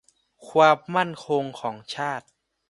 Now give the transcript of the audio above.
ความมั่นคงของชาติ